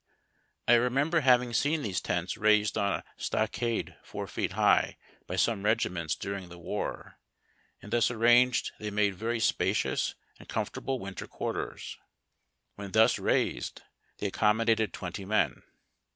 I remember having seen these tents raised on a stock ade four feet high by some regiments during the war, and thus arrang ed they made very spacious and com fortable winter quarters. When thus raised they accom modated twenty men.